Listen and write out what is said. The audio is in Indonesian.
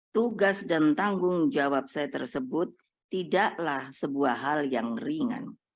tugas dan tanggung jawab saya tersebut tidaklah sebuah hal yang ringan